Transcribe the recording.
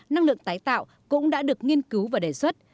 năng lượng tái tạo cũng đã được nghiên cứu và đề xuất